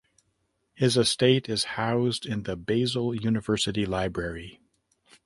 His estate is housed in the Basel University Library.